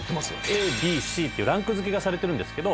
「ＡＢＣというランク付けがされてるんですけど」